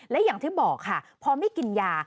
และอย่างที่บอกค่ะพอไม่กินยา